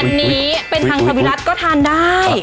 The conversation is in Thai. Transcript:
อันนี้เป็นทางทวิรัติก็ทานได้